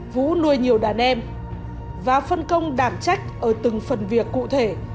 vũ nuôi nhiều đàn em và phân công đảm trách ở từng phần việc cụ thể